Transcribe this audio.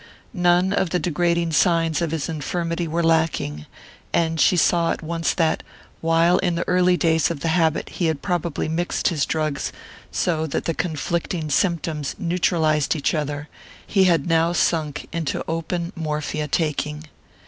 None of the degrading signs of his infirmity were lacking; and she saw at once that, while in the early days of the habit he had probably mixed his drugs, so that the conflicting symptoms neutralized each other, he had now sunk into open morphia taking.